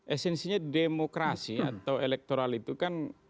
esensinya demokrasi atau elektoral itu kan